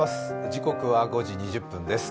時刻は５時２０分です。